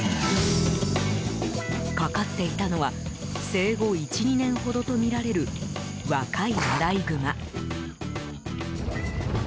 かかっていたのは生後１２年ほどとみられる若いアライグマ。